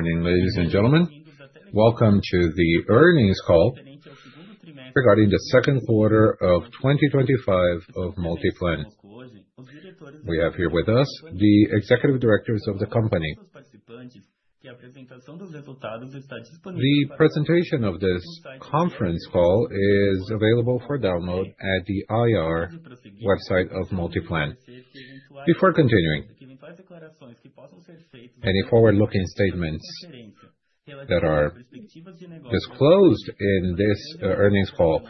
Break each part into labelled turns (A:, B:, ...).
A: Good morning, ladies and gentlemen. Welcome to the earnings call regarding the 2025 of Multiplan. We have here with us the Executive Directors of the company. The presentation of this conference call is available for download at the IR website of Multiplan. Before continuing, any forward looking statements that are disclosed in this earnings call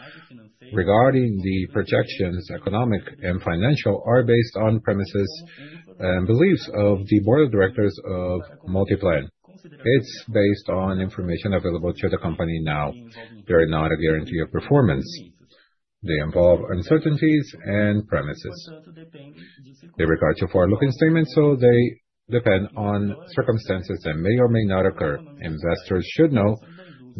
A: regarding the projections, economic and financial are based on premises and beliefs of the Board of Directors of Multiplan. It's based on information available to the company now. They are not a guarantee of performance. They involve uncertainties and premises. In regard to forward looking statements, so they depend on circumstances that may or may not occur. Investors should know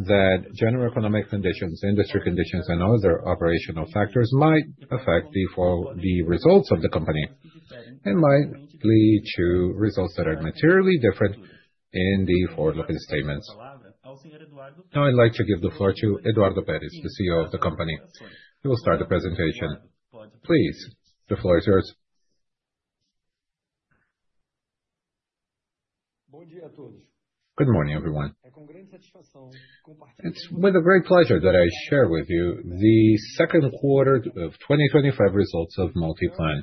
A: that general economic conditions, industry conditions and other operational factors might affect the results of the company and might lead to results that are materially different in the forward looking statements. Now I'd like to give the floor to Eduardo Perez, the CEO of the company, who will start the presentation. Please, the floor is yours. Good morning, everyone. It's been a great pleasure that I share with you the 2025 results of Multiplan.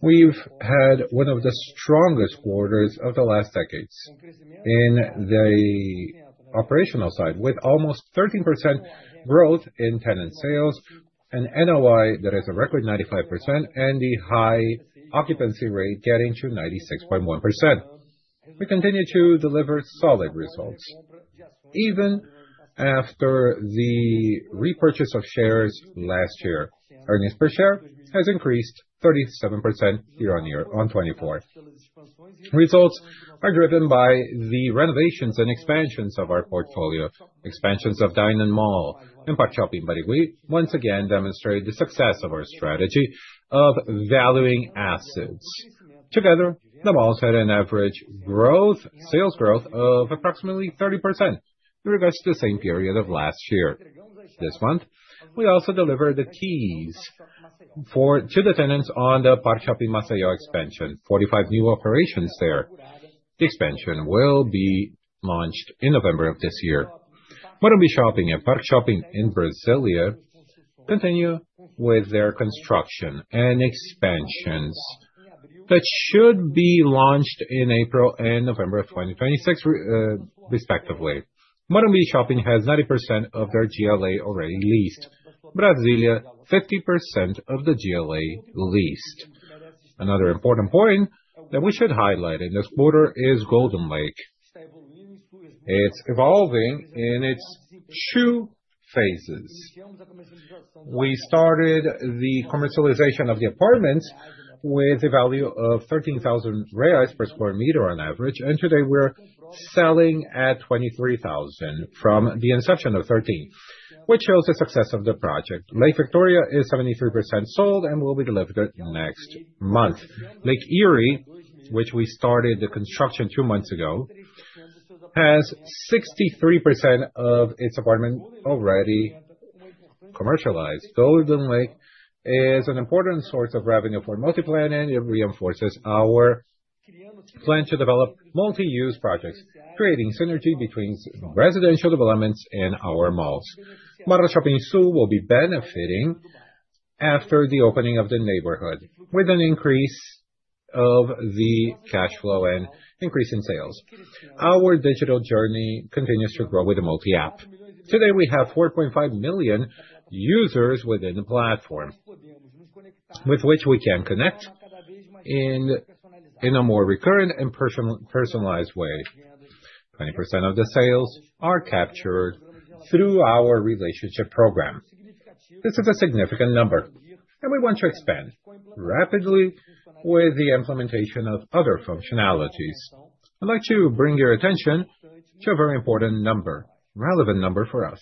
A: We've had one of the strongest quarters of the last decades in the operational side with almost 13% growth in tenant sales and NOI that is a record 95% and the high occupancy rate getting to 96.1%. We continue to deliver solid results even after the repurchase of shares last year. Earnings per share has increased 37% year on year on '24. Results are driven by the renovations and expansions of our portfolio, expansions of dine in mall and Pacho Pimarigui once again demonstrated the success of our strategy of valuing assets. Together, the malls had an average growth sales growth of approximately 30% in regards to the same period of last year. This month, we also delivered the keys for to the tenants on the Parccioppi Massayo expansion, 45 new operations there. The expansion will be launched in November. Morobe Shopping and Parc Shopping in Brasilia continue with their construction and expansions that should be launched in April and November, respectively. Modern Bee Shopping has 90% of their GLA already leased. Brasilia, 50% of the GLA leased. Another important point that we should highlight in this quarter is Golden Lake. It's evolving in its two phases. We started the commercialization of the apartments with a value of 13,000 reais per square meter on average. And today, we're selling at 23,000 from the inception of 13, which shows the success of the project. Lake Victoria is 73% sold and will be delivered next month. Lake Erie, which we started the construction two months ago, has 63% of its apartment already commercialized. Golden Lake is an important source of revenue for multi plan and it reinforces our plan to develop multi use projects, creating synergy between residential developments and our malls. Marra Shopping Sul will be benefiting after the opening of the neighborhood with an increase of the cash flow and increase in sales. Our digital journey continues to grow with the multi app. Today, we have 4,500,000 users within the platform with which we can connect in a more recurrent and personalized way. 20% of the sales are captured through our relationship program. This is a significant number, and we want to expand rapidly with the implementation of other functionalities. I'd like to bring your attention to a very important number, relevant number for us.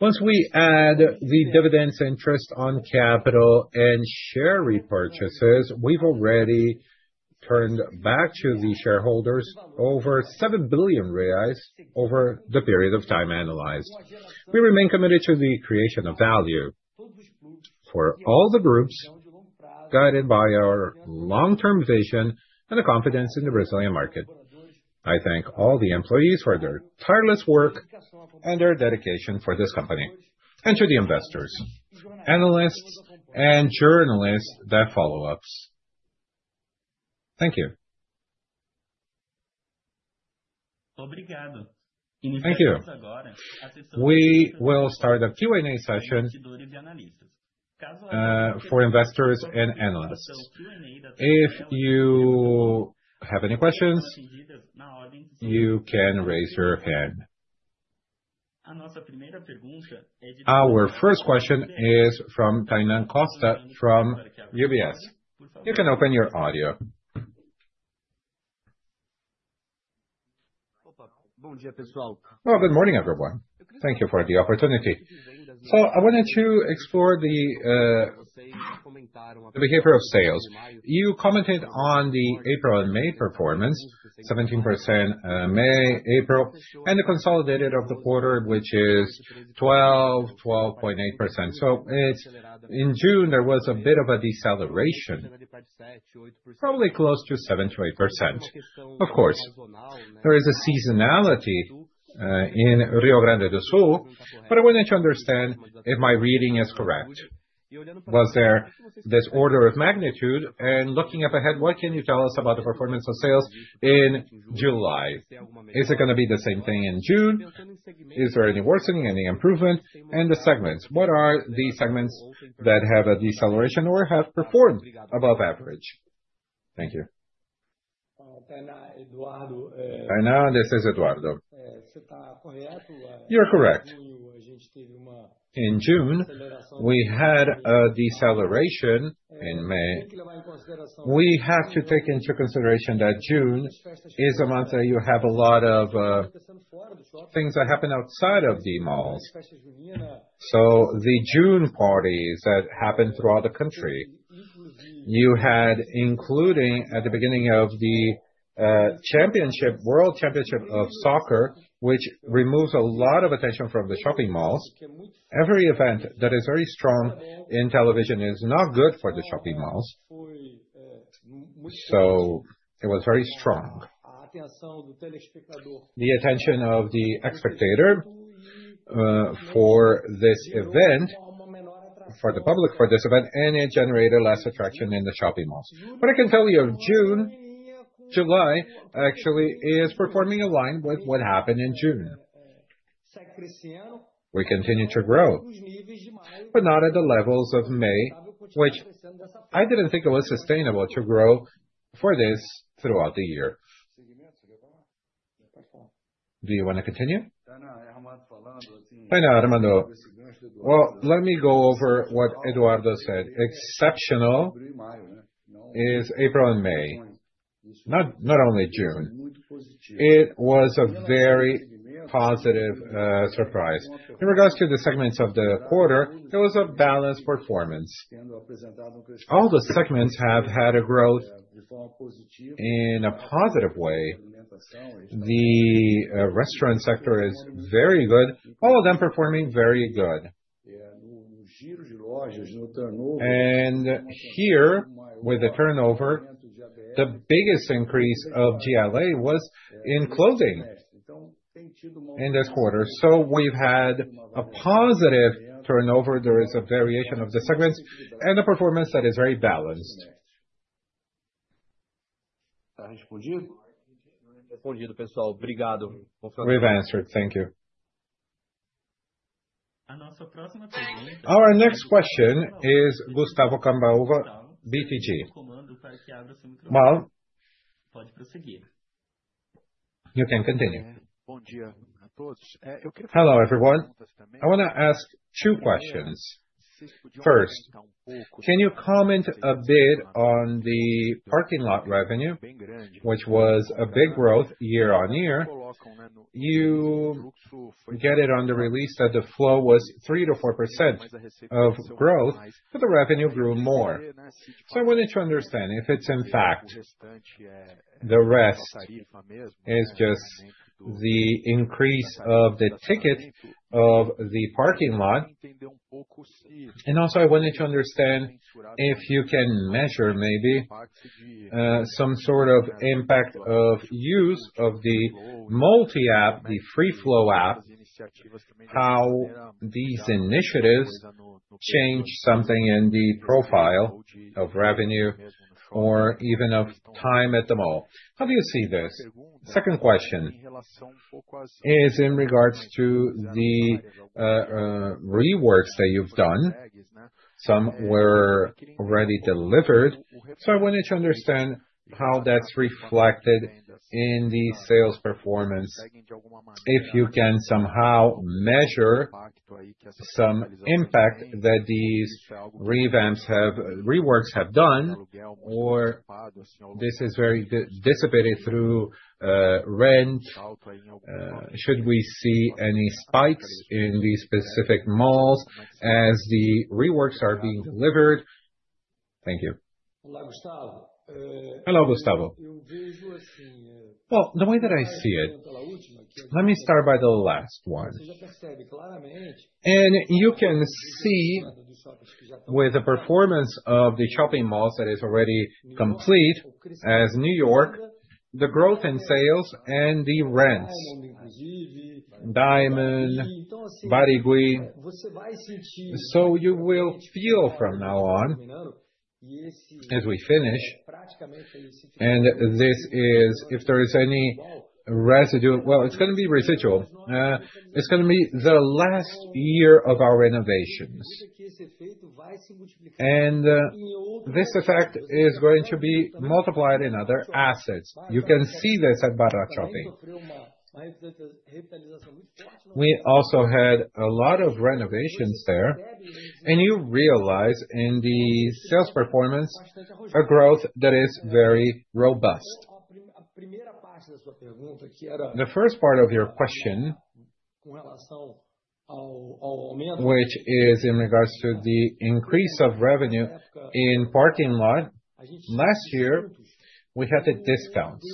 A: Once we add the dividends interest on capital and share repurchases, we've already turned back to the shareholders over 7 billion reais over the period of time analyzed. We remain committed to the creation of value for all the groups guided by our long term vision and the confidence in the Brazilian market. I thank all the employees for their tireless work and their dedication for this company and to the investors, analysts and journalists that follow ups. Thank you. Thank you. We will start a Q and A session for investors and analysts. If you have any questions, you can raise your hand. Our first question is from Tainan Costa from UBS. You can open your audio. Well, good morning, everyone. Thank you for the opportunity. So I wanted to explore the behavior of sales. You commented on the April and May performance, 17% May, April and the consolidated of the quarter, is 12%, 12.8%. So it's in June, there was a bit of a deceleration, probably close to 7% to 8%. Of course, there is a seasonality in Rio Grande do Sul, but I wanted to understand if my reading is correct. Was there this order of magnitude and looking up ahead, what can you tell us about the performance of sales in July? Is it going to be the same thing in June? Is there any worsening, any improvement? And the segments, what are the segments that have a deceleration or have performed above average? You. By now, this is Eduardo. You're correct. In June, we had a deceleration in May. We have to take into consideration that June is a month that you have a lot of things that happen outside of the malls. So the June parties that happened throughout the country, you had including at the beginning of the championship world championship of soccer, which removes a lot of attention from the shopping malls. Every event that is very strong in television is not good for the shopping malls. So it was very strong. The attention of the spectator for this event, for the public for this event, and it generated less attraction in the shopping malls. But I can tell you, June, July actually is performing aligned with what happened in June. We continue to grow, but not at the levels of May, which I didn't think it was sustainable to grow for this throughout the year. Do you want to continue? Well, let me go over what Eduardo said. Exceptional is April and May, not only June. It was a very positive surprise. In regards to the segments of the quarter, there was a balanced performance. All the segments have had a growth in a positive way. The restaurant sector is very good, all of them performing very good. And here with the turnover, the biggest increase of GLA was in clothing in this quarter. So we've had a positive turnover. There is a variation of the segments and the performance that is very balanced. We've answered. Thank you. Our next question is Gustavo Cambaouvo, BTG. You can continue. Hello, everyone. I want to ask two questions. First, can you comment a bit on the parking lot revenue, which was a big growth year on year? You get it on the release that the flow was 3% to 4% of growth, but the revenue grew more. So I wanted to understand if it's in fact the rest is just the increase of the ticket of the parking lot. And also, wanted to understand if you can measure maybe some sort of impact of use of the multi app, the free flow app, how these initiatives change something in the profile of revenue or even of time at the mall. How do you see this? Second question is in regards to the, reworks that you've done. Some were already delivered. So I wanted to understand how that's reflected in the sales performance. If you can somehow measure some impact that these revamps have reworks have done or this is very dissipated through rent? Should we see any spikes in these specific malls as the reworks are being delivered? Thank you. Well, the way that I see it, let me start by the last one. And you can see with the performance of the shopping malls that is already complete as New York, the growth in sales and the rents, Diamond, Baragui. So you will feel from now on as we finish. And this is if there is any residue, well, it's going to be residual. It's going to be the last year of our renovations. And this effect is going to be multiplied in other assets. You can see this at Barra Choppi. We also had a lot of renovations there. And you realize in the sales performance a growth that is very robust. The first part of your question, which is in regards to the increase of revenue in parking lot. Last year, we had the discounts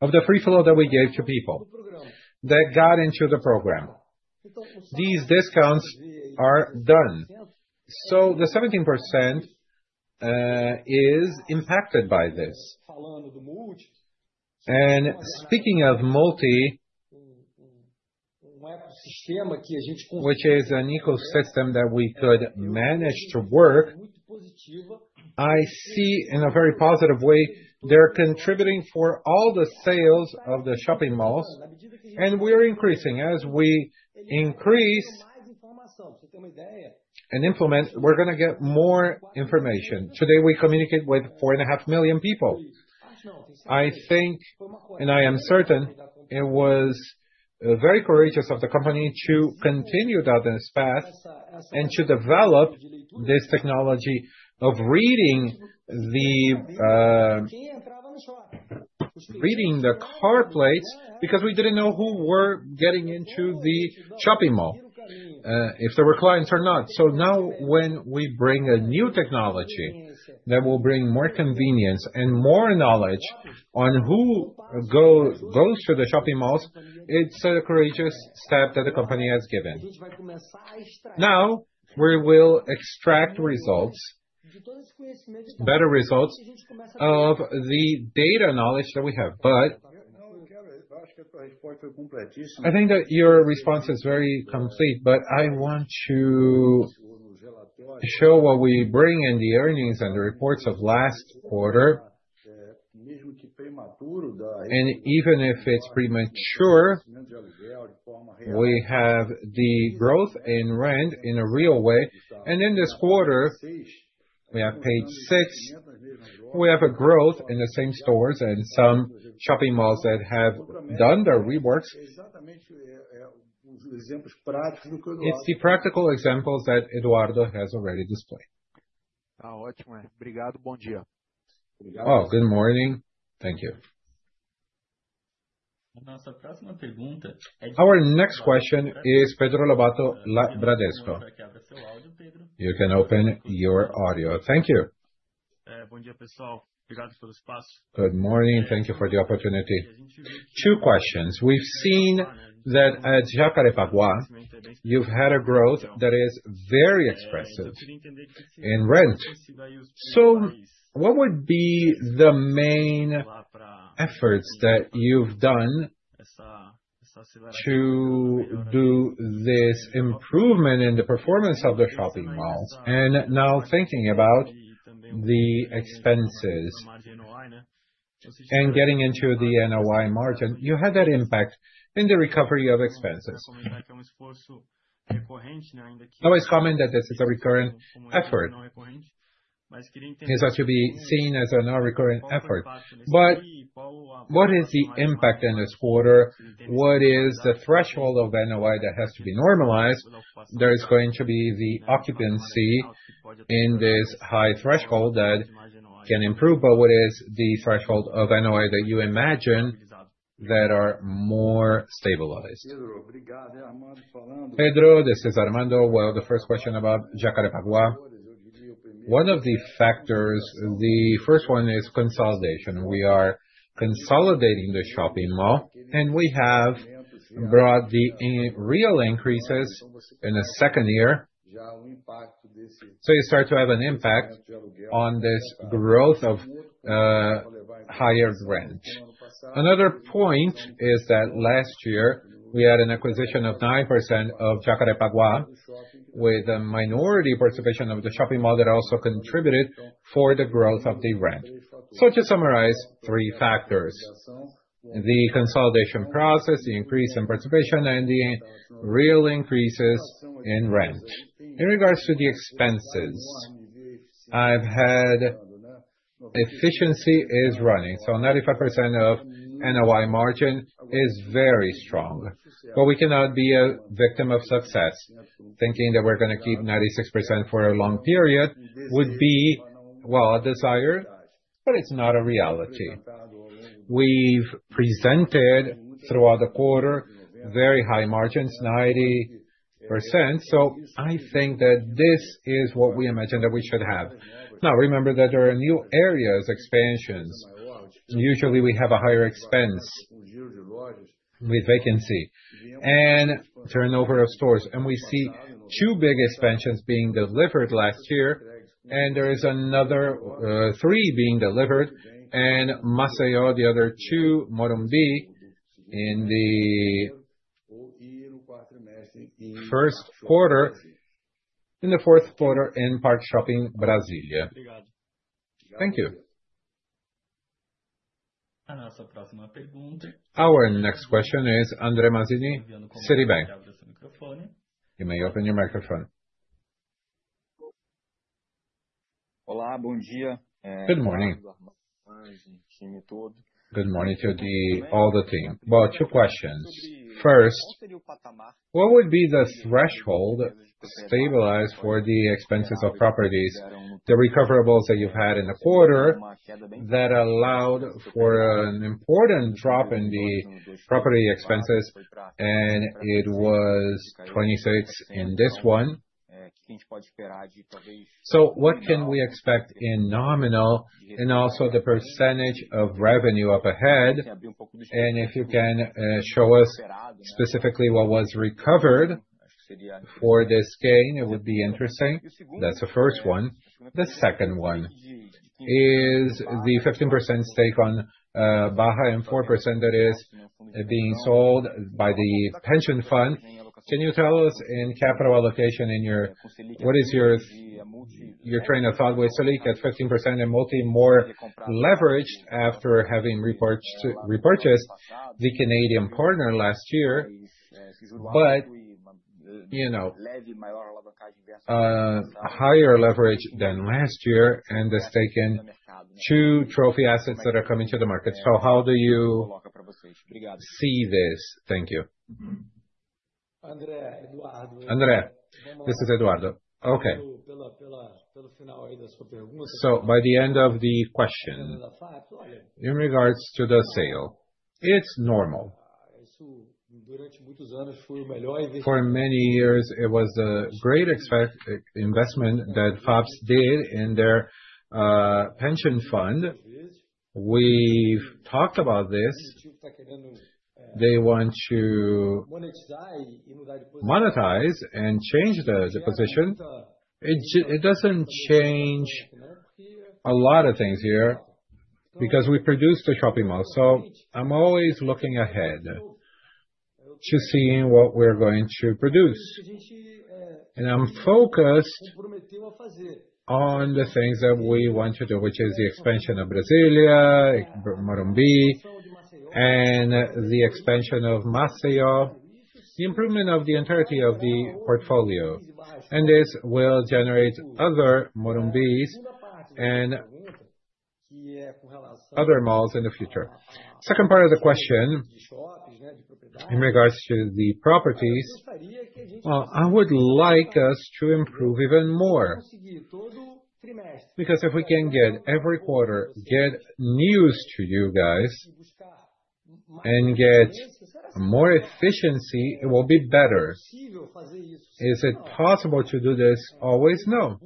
A: of the free flow that we gave to people that got into the program. These discounts are done. So the 17% is impacted by this. And speaking of multi, which is an ecosystem that we could manage to work, I see in a very positive way, they're contributing for all the sales of the shopping malls and we're increasing. As we increase and implement, we're going to get more information. Today, we communicate with 4,500,000 people. I think and I am certain it was very courageous of the company to continue down this path and to develop this technology of reading the car plates because we didn't know who were getting into the shopping mall, if there were clients or not. So now when we bring a new technology that will bring more convenience and more knowledge on who goes to the shopping malls, it's a courageous step that the company has given. Now we will extract results, better results of the data knowledge that we have. But I think that your response is very complete, but I want to show what we bring in the earnings and the reports of last quarter. And even if it's premature, we have the growth in rent in a real way. And in this quarter, we have Page six, We have a growth in the same stores and some shopping malls that have done their reworks. It's the practical examples that Eduardo has already displayed. Oh, good morning. Thank you. Our next question is Pedro Lobato, La Bradesco. You can open your audio. Thank you. Morning. Thank you for the opportunity. Two questions. We've seen that at Giacar De Paraguay, you've had a growth that is very expressive in rent. So what would be the main efforts that you've done to do this improvement in the performance of the shopping malls? And now thinking about the expenses and getting into the NOI margin, you had that impact in the recovery of expenses. I always comment that this is a recurrent effort. It's actually seen as a nonrecurring effort. But what is the impact in this quarter? What is the threshold of NOI that has to be normalized? There is going to be the occupancy in this high threshold that can improve, but what is the threshold of NOI that you imagine that are more stabilized? Pedro, this is Armando. Well, the first question about Jakarapagua. One of the factors, the first one is consolidation. We are consolidating the shopping mall, and we have brought the real increases in the second year. So you start to have an impact on this growth of higher rent. Another point is that last year, we had an acquisition of 9% of Jacarepagua with a minority participation of the shopping mall that also contributed for the growth of the rent. So to summarize three factors: the consolidation process, the increase in participation and the real increases in rent. In regards to the expenses, I've had efficiency is running. So 95% of NOI margin is very strong. But we cannot be a victim of success. Thinking that we're going to keep 96% for a long period would be, well, a desire, but it's not a reality. We've presented throughout the quarter very high margins, 90%. So I think that this is what we imagine that we should have. Now remember that there are new areas expansions. Usually, we have a higher expense with vacancy and turnover of stores. And we see two big expansions being delivered last year, and there is another three being delivered and Massayo, the other two, Moron D in the quarter in the fourth quarter in part shopping, Brasilia. Our next question is Andre Mazini, Citibank. You may open your microphone. Good morning. Good morning to the all the team. Well, two questions. First, what would be the threshold stabilized for the expenses of properties, the recoverable that you've had in the quarter that allowed for an important drop in the property expenses, and it was 26,000,000 in this one. So what can we expect in nominal and also the percentage of revenue up ahead? And if you can show us specifically what was recovered for this gain, it would be interesting. That's the first one. The second one is the 15% stake on Baja and four percent that is being sold by the pension fund. Can you tell us in capital allocation and your what is your train of thought with Selic at 15% and multi more leveraged after having repurchased the Canadian partner last year, but you know, a higher leverage than last year and has taken two trophy assets that are coming to the market. So how do you see this? Thank you. Eduardo. Andre, this is Eduardo. Okay. So by the end of the question, in regards to the sale, it's normal. For many years, it was a great investment that FAPs did in their pension fund. We've talked about this. They want to monetize and change the the position. It it doesn't change a lot of things here because we produce the shopping mall. So I'm always looking ahead to seeing what we're going to produce. And I'm focused on the things that we want to do, which is the expansion of Brasilia, Moronbi and the expansion of Masseo, the improvement of the entirety of the portfolio. And this will generate other Morumbis and other malls in the future. Second part of the question, in regards to the properties, I would like us to improve even more Because if we can get every quarter, get news to you guys and get more efficiency, it will be better. Is it possible to do this? Always, no.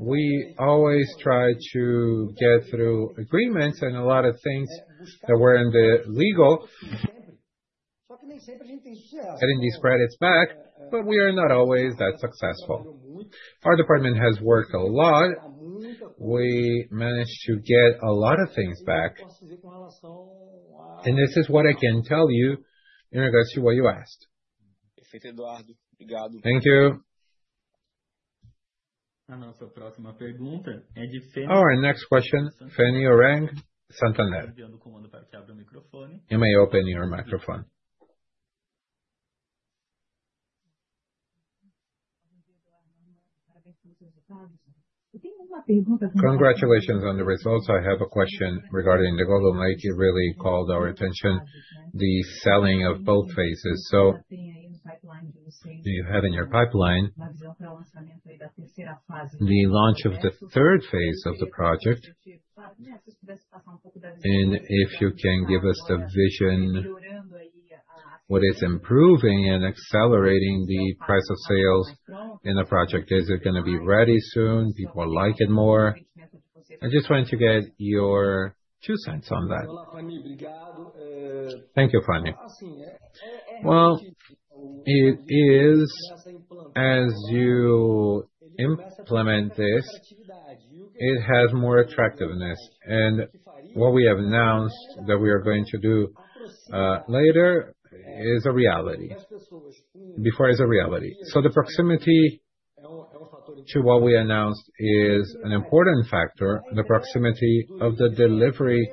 A: We always try to get through agreements and a lot of things that were in the legal, getting these credits back, but we are not always that successful. Our department has worked a lot. We managed to get a lot of things back, and this is what I can tell you in regards to what you asked. Thank you. Our next question, Fani Orang, Santander. You may open your microphone. Congratulations on the results. I have a question regarding the GogoMike. You really called our attention, the selling of both phases. So you have in your pipeline the launch of the third phase of the project. And if you can give us the vision what is improving and accelerating the price of sales in the project. Is it going to be ready soon? People like it more? I just wanted to get your 2¢ on that. Thank you, Frannie. Well, it is as you implement this, it has more attractiveness. And what we have announced that we are going to do later is a reality before it's a reality. So the proximity to what we announced is an important factor. The proximity of the delivery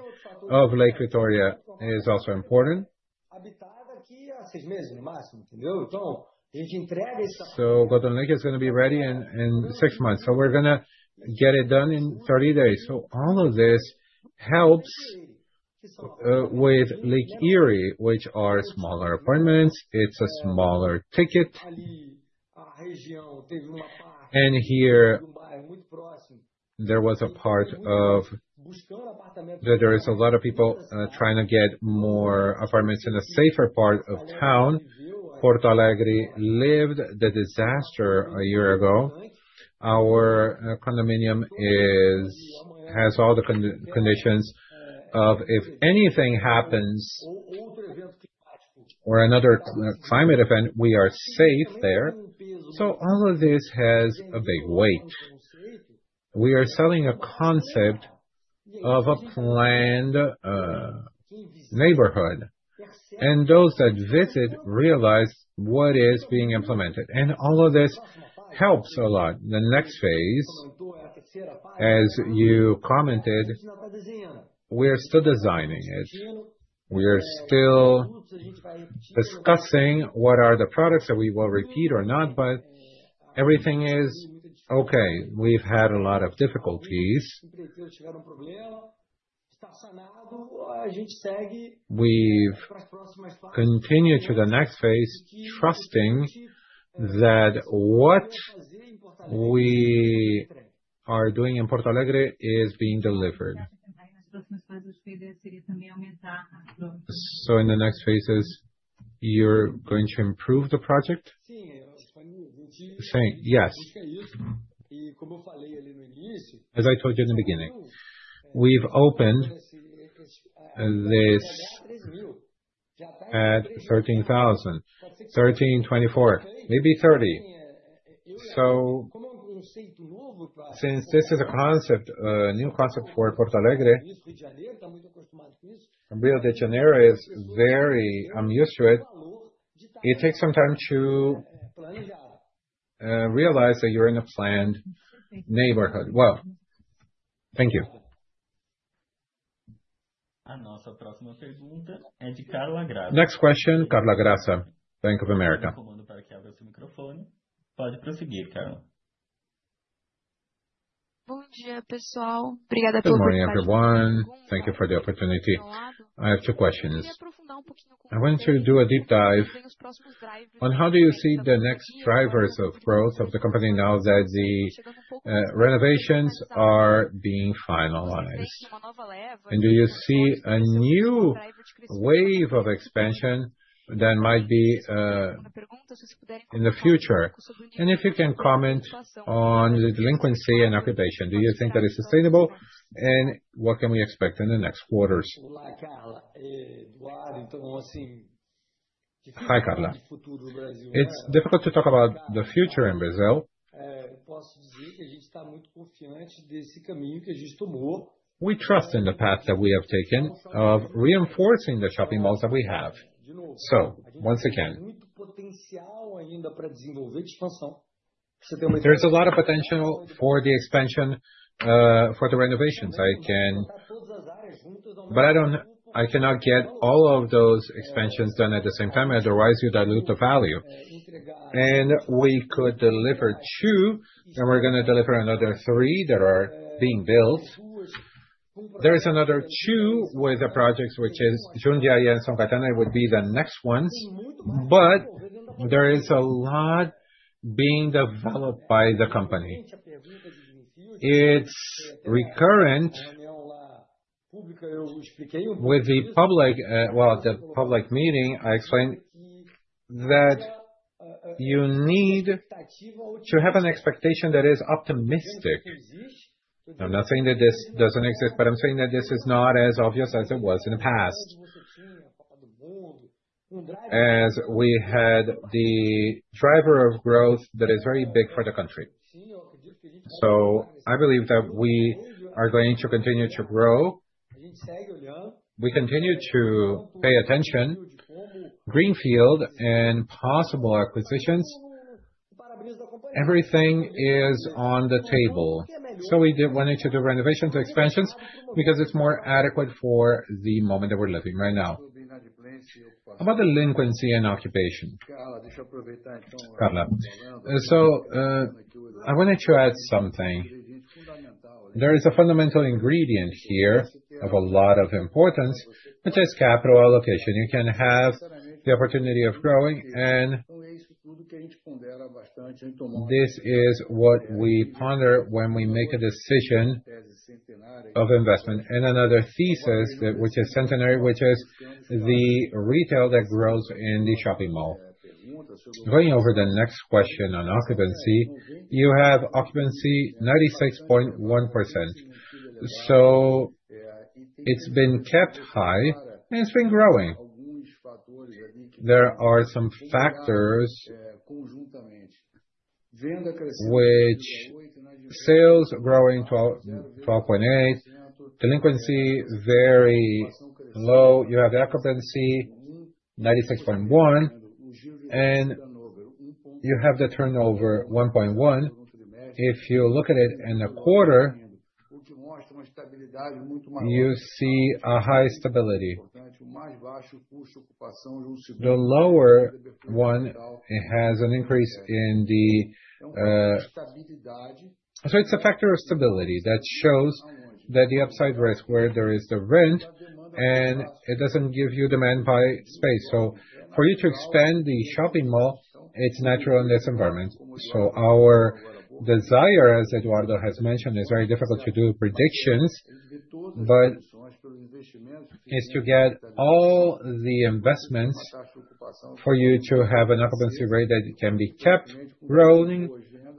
A: of Lake Victoria is also important. So Gothen Lake is gonna be ready in in six months. So we're gonna get it done in thirty days. So all of this helps with Lake Erie, which are smaller apartments. It's a smaller ticket. And here, there was a part of that there is a lot of people trying to get more apartments in a safer part of town. Porto Alegre lived the disaster a year ago. Our condominium is has all the conditions of if anything happens or another climate event, we are safe there. So all of this has a big weight. We are selling a concept of a planned neighborhood. And those that visit realize what is being implemented. And all of this helps a lot. The next phase, as you commented, we are still designing it. We are still discussing what are the products that we will repeat or not, but everything We've had a lot of difficulties. We've continued to the next phase, trusting that what we are doing in Porto Alegre is being delivered. So in the next phases, you're going to improve the project? Yes. As I told you in the beginning, we've opened this at $13,013.24, maybe thirty. So since this is a concept, a new concept for Porta Alegre, Rio De Janeiro is very I'm used to it. It takes some time to realize that you're in a planned neighborhood. Well, thank you. Next question, Carla Graca, Bank of America. Good morning, everyone. Thank you for the opportunity. I have two questions. I want to do a deep dive on how do you see the next drivers of growth of the company now that the renovations are being finalized? And do you see a new wave of expansion that might be in the future? And if you can comment on delinquency and occupation. Do you think that is sustainable? And what can we expect in the next quarters? It's difficult to talk about the future in Brazil. We trust in the path that we have taken of reinforcing the shopping malls that we have. So once again, there's a lot of potential for the expansion for the renovations. Can but I I cannot get all of those expansions done at the same time. Otherwise, you dilute the value. And we could deliver two, and we're going to deliver another three that are being built. There is another two with the projects, which is Jundiale and Songcatane would be the next ones, but there is a lot being developed by the company. It's recurrent with the public well, at the public meeting, I explained that you need to have an expectation that is optimistic. I'm not saying that this doesn't exist, but I'm saying that this is not as obvious as it was in the past as we had the driver of growth that is very big for the country. So I believe that we are going to continue to grow. We continue to pay attention, greenfield and possible acquisitions. Everything is on the table. So we did wanted to do renovation to expansions because it's more adequate for the moment that we're living right now. About delinquency and occupation, Carla, so I wanted to add something. There is a fundamental ingredient here of a lot of importance, which is capital allocation. You can have the opportunity of growing. And this is what we ponder when we make a decision of investment. And another thesis, which is Centenary, which is the retail that grows in the shopping mall. Going over the next question on occupancy, you have occupancy 96.1%. So it's been kept high and it's been growing. There are some factors, which sales growing 12.8%, delinquency very low, you have the occupancy 96.1%, and you have the turnover, 1.1%. If you look at it in the quarter, you see a high stability. The lower one has an increase in the so it's a factor of stability that shows that the upside risk where there is the rent, and it doesn't give you demand by space. So for you to expand the shopping mall, it's natural in this environment. So our desire, as Eduardo has mentioned, is very difficult to do predictions, but is to get all the investments for you to have an occupancy rate that can be kept growing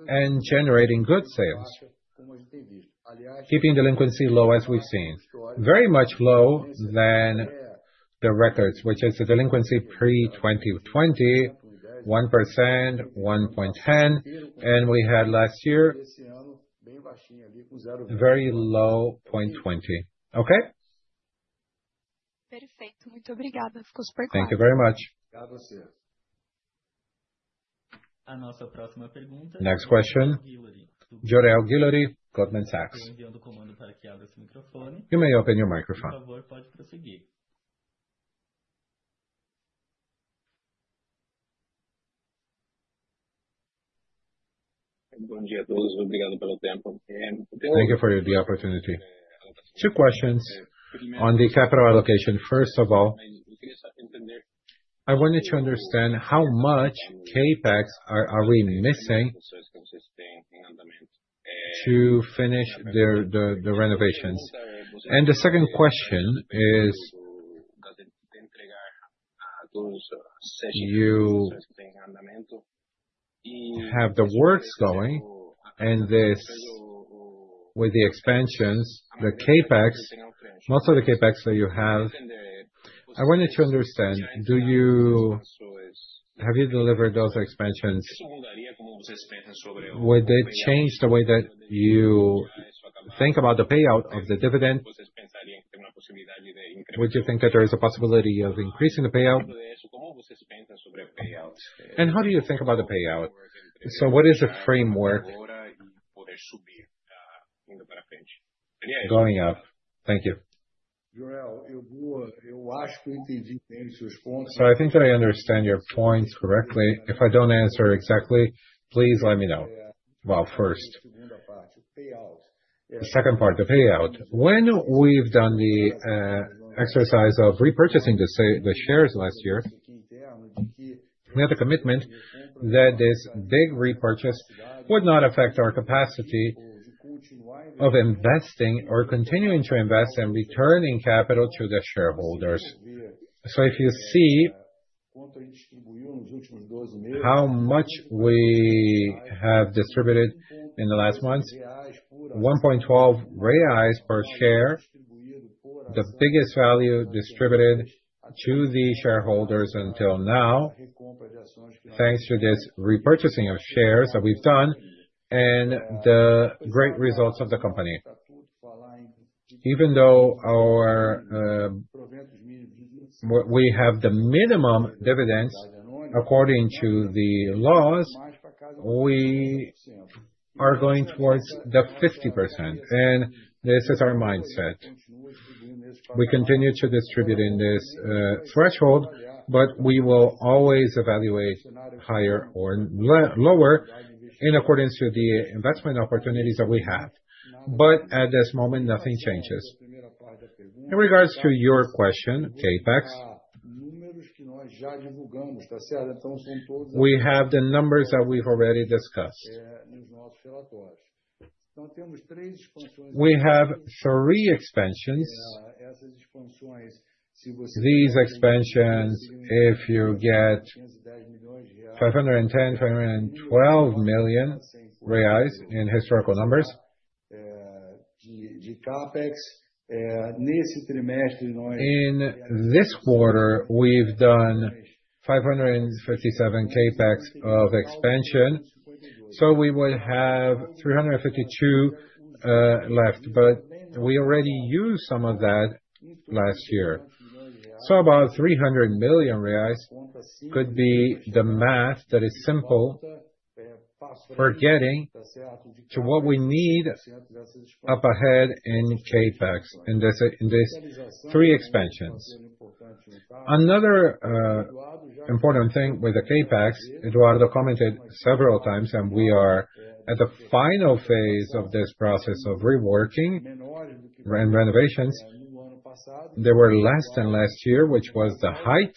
A: and generating good sales, keeping delinquency low as we've seen, very much low than the records, which is the delinquency pre-twenty twenty, 1%, 1.1%. And we had last year, very low 0.2%. You very much. Next question. Jore Al Ghilorri, Goldman Sachs. You may open your microphone. Thank you for the opportunity. Two questions on the capital allocation. First of all, I wanted to understand how much CapEx are we missing to finish the renovations? And the second question is you have the works going and this with the expansions, the CapEx most of the CapEx that you have, I wanted to understand, do you have you delivered those expansions? Would they change the way that you think about the payout of the dividend? Would you think that there is a possibility of increasing the payout? And how do you think about the payout? So what is the framework going up? Thank you. So I think that I understand your points correctly. If I don't answer exactly, please let me know. Well, first. In the part, the payout. Yeah. The second part, the payout. When we've done the exercise of repurchasing the shares last year, we had a commitment that this big repurchase would not affect our capacity of investing or continuing to invest and returning capital to the shareholders. So if you see how much we have distributed in the last months, 1.12 per share, the biggest value distributed to the shareholders until now, thanks to this repurchasing of shares that we've done and the great results of the company. Even though our we have the minimum dividends according to the laws, we are going towards the 50%. And this is our mindset. We continue to distribute in this threshold, but we will always evaluate higher or lower in accordance to the investment opportunities that we have. But at this moment, nothing changes. In regards to your question, CapEx, we have the numbers that we've already discussed. We have three expansions. These expansions, if you get $510,000,000, $512,000,000 in historical numbers. In this quarter, we've done five fifty seven CapEx of expansion. So we would have BRL $352,000,000 left, but we already used some of that last year. So about 300,000,000 reais could be the math that is simple We're getting to what we need up ahead in CapEx in these three expansions. Another important thing with the CapEx, Eduardo commented several times, and we are at the final phase of this process of reworking renovations. They were less than last year, which was the height.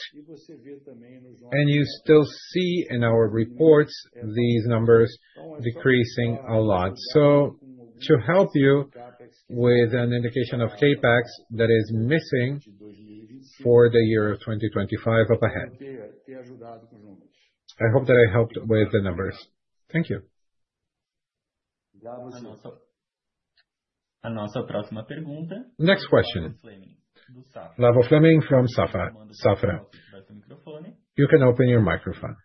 A: And you still see in our reports these numbers decreasing a lot. So to help you with an indication of CapEx that is missing for the year of 2025 up ahead. I hope that I helped with the numbers. Thank you. Next question. Lavo Fleming from Safra Safra. You can open your microphone.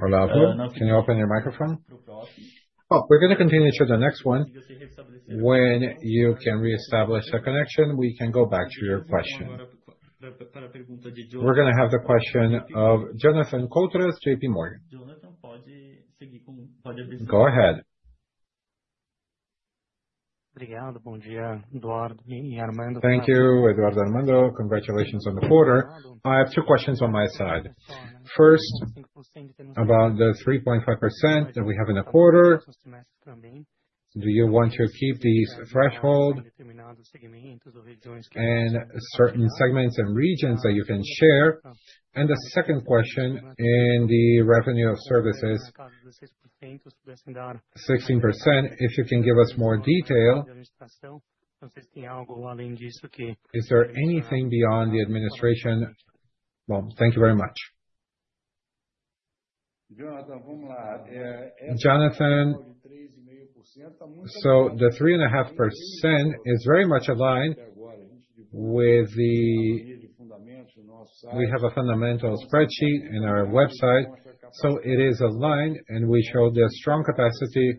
A: Can you open your microphone? Oh, we're gonna continue to the next one. When you can reestablish a connection, we can go back to your question. We're gonna have the question of Jonathan Kotros, JPMorgan. Go ahead. Thank you, Eduardo Armando. Congratulations on the quarter. I have two questions on my side. First, about the 3.5% that we have in the quarter, Do you want to keep these threshold and certain segments and regions that you can share? And the second question in the revenue of services, 16%, if you can give us more detail. Is there anything beyond the administration? Well, thank you very much. Jonathan, so the 3.5 is very much aligned with the we have a fundamental spreadsheet in our website. So it is aligned, and we showed a strong capacity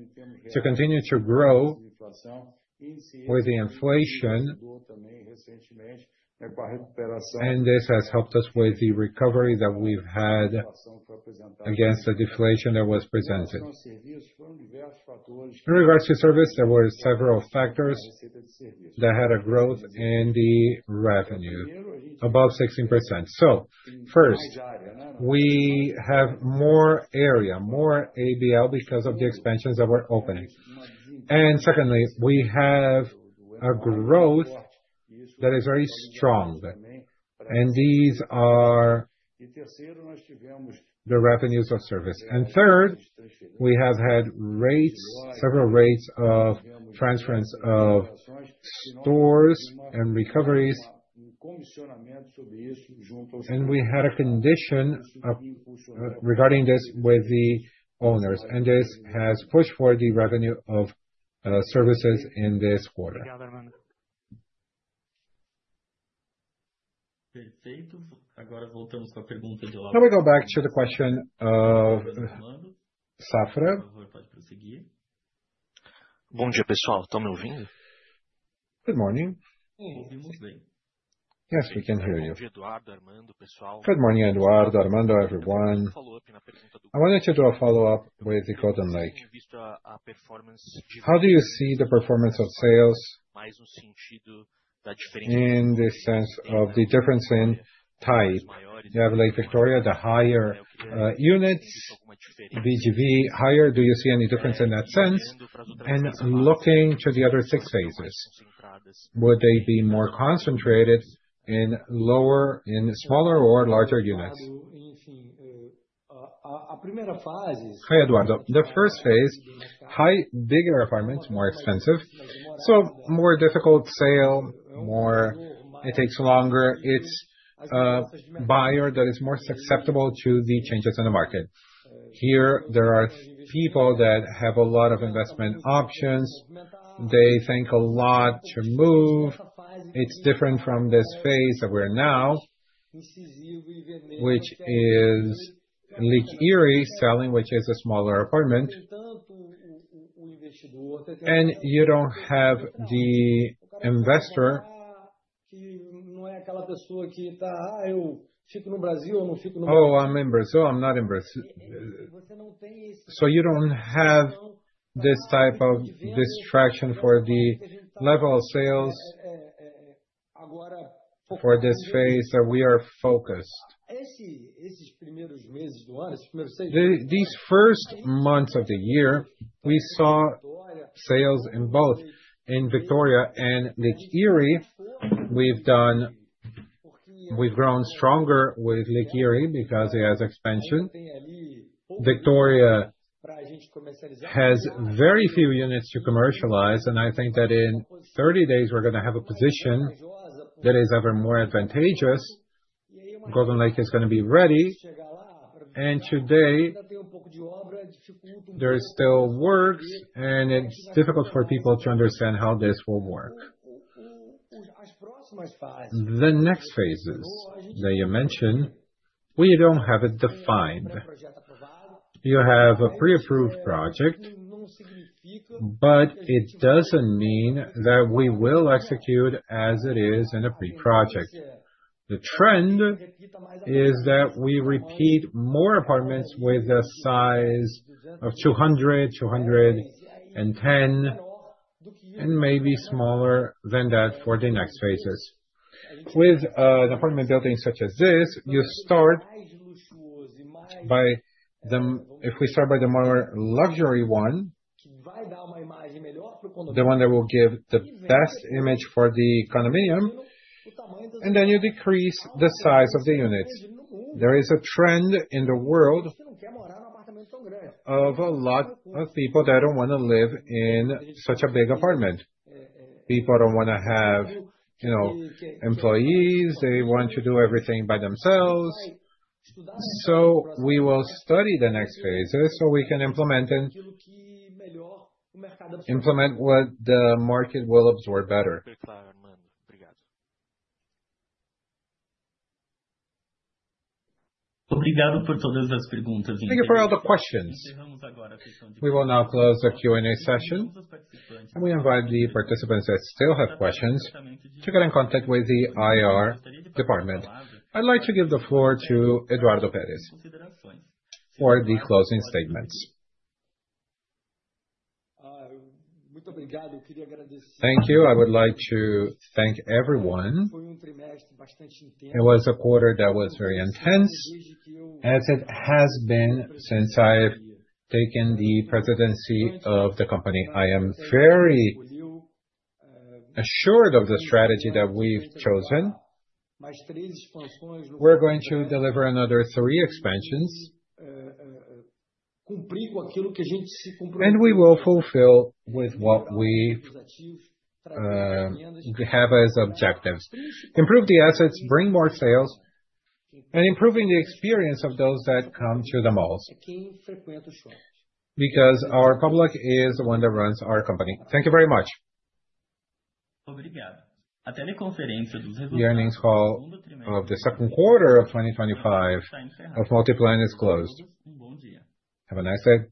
A: to continue to grow with the inflation, and this has helped us with the recovery that we've had against the deflation that was presented. In regards to service, there were several factors that had a growth in the revenue, above 16%. So first, we have more area, more ABL because of the expansions that we're opening. And secondly, we have a growth that is very strong. And these are the revenues of service. And third, we have had rates, several rates of transference of stores and recoveries. And we had a condition regarding this with the owners, and this has pushed for the revenue of services in this quarter. Now we go back to the question of Safra. Good morning. Yes. We can hear you. Good morning, Eduardo, Armando, everyone. I wanted to do a follow-up with the code and like. How do you see the performance of sales in the sense of the difference in type? You have Lake Victoria, the higher units, VGV higher. Do you see any difference in that sense? And looking to the other six phases, would they be more concentrated in lower in smaller or larger units? Hi, Eduardo. The first phase, high bigger apartments, more expensive. So more difficult sale, more it takes longer. It's a buyer that is more susceptible to the changes in the market. Here, there are people that have a lot of investment options. They think a lot to move. It's different from this phase that we're now, which is Lake Erie selling, which is a smaller apartment. And you don't have the investor. Oh, I'm in Brazil. I'm not in Brazil. So you don't have this type of distraction for the level of sales for this phase that we are focused. These first months of the year, we saw sales in both in Victoria and Lake Erie. We've done we've grown stronger with Lake Erie because it has expansion. Victoria has very few units to commercialize. And I think that in thirty days, we're going to have a position that is ever more advantageous. Golden Lake is going to be ready. And today, there is still works and it's difficult for people to understand how this will work. The next phases that you mentioned, we don't have it defined. You have a pre approved project, but it doesn't mean that we will execute as it is in a pre project. The trend is that we repeat more apartments with a size of 200, two ten and maybe smaller than that for the next phases. With an apartment building such as this, you start by the if we start by the more luxury one, the one that will give the best image for the condominium, and then you decrease the size of the units. There is a trend in the world of a lot of people that don't want to live in such a big apartment. People don't wanna have, you know, employees. They want to do everything by themselves. So we will study the next phases so we can implement implement what the market will absorb better. Thank you for all the questions. We will now close the Q and A session. We invite the participants that still have questions to get in contact with the IR department. I'd like to give the floor to Eduardo Perez for the closing statements. Thank you. I would like to thank everyone. It was a quarter that was very intense as it has been since I've taken the presidency of the company, I am very assured of the strategy that we've chosen. We're going to deliver another three expansions, and we will fulfill with what we have as objectives, improve the assets, bring more sales, and improving the experience of those that come to the malls because our public is the one that runs our company. Thank you very much. The earnings call of the 2025 of Multiplan is closed. Have a nice day.